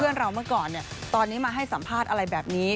เราเมื่อก่อนเนี่ยตอนนี้มาให้สัมภาษณ์อะไรแบบนี้